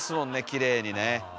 きれいにね。